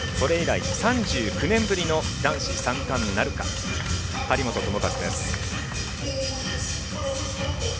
それ以来３９年ぶりの男子三冠なるか張本智和です。